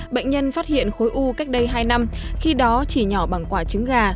bệnh nhân phát hiện khối u cách đây hai năm khi đó chỉ nhỏ bằng quả trứng gà